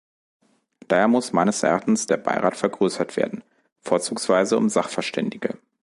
Daher muss meines Erachtens der Beirat vergrößert werden, vorzugsweise um Sachverständige.